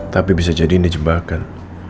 tapi bisa jadi ini jebakan